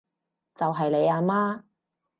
就係你阿媽